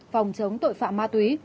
phòng chống tội phạm ma túy